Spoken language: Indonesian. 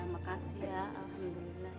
makasih ya alhamdulillah